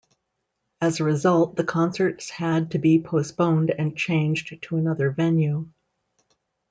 As a result, the concerts had to be postponed and changed to another venue.